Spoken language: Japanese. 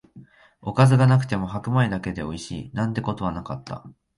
おかずがなくても白米だけでおいしい、なんてことはなかった